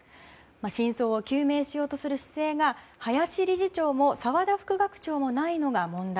真相を究明しようとする姿勢が林理事長も澤田副学長もないのが問題。